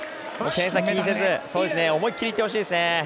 点差、気にせず思いっきりいってほしいですね。